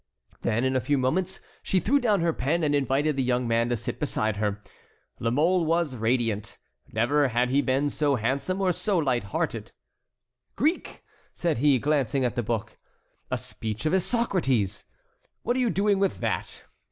Then, in a few moments, she threw down her pen and invited the young man to sit beside her. La Mole was radiant. Never had he been so handsome or so light hearted. "Greek!" said he, glancing at the book. "A speech of Isocrates! What are you doing with that?